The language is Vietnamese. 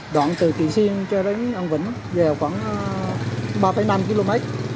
đoạn từ kỳ xiên cho đến an vĩnh về khoảng ba năm km